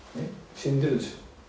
死んでるでしょう。